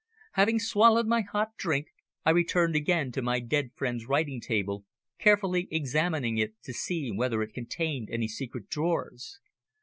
Having swallowed my hot drink, I returned again to my dead friend's writing table, carefully examining it to see whether it contained any secret drawers.